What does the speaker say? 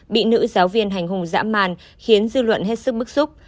bị nữ giáo viên hành hùng dã màn khiến dư luận hết sức bức xúc